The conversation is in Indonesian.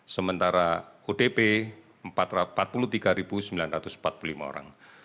sementara odp empat puluh tiga sembilan ratus empat puluh lima orang